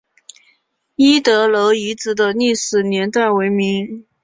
一德楼遗址的历史年代为明。